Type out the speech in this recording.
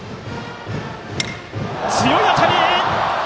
強い当たり！